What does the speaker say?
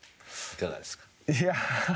いかがですか。